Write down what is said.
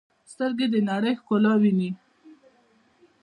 سترګې د نړۍ ښکلا ویني.